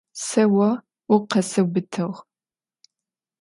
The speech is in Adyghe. Se vo vukhesıubıtığ.